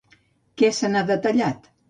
Què se n'ha detallat?